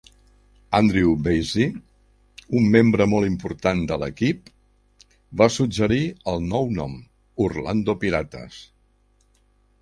Andrew Bassie, un membre molt important de l"equip, va suggerir el nou nom, "Orlando Pirates".